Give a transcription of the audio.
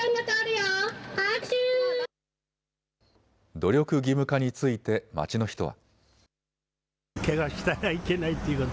努力義務化について街の人は。